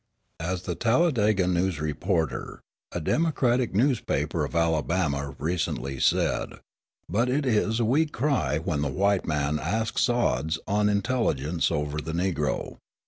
As the Talladega News Reporter, a Democratic newspaper of Alabama, recently said: "But it is a weak cry when the white man asks odds on intelligence over the Negro.